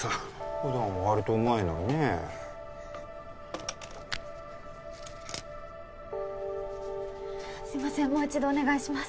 普段はわりとうまいのにねすいませんもう一度お願いします